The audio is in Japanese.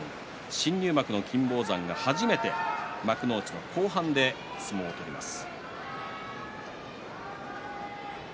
新入幕の金峰山が初めて幕内の後半で相撲を取ります。